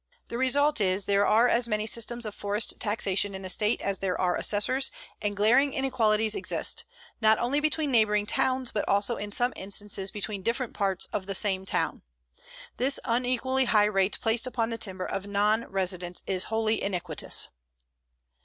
The result is there are as many systems of forest taxation in the State as there are assessors, and glaring inequalities exist, not only between neighboring towns, but also in some instances between different parts of the same town. The unequally high rate placed upon the timber of non residents is wholly iniquitous.